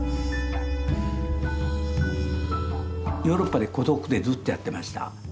ヨーロッパで孤独でずっとやってました。